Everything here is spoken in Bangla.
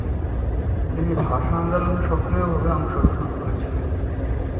তিনি ভাষা আন্দোলন সক্রিয়ভাবে অংশগ্রহণ করেছিলেন।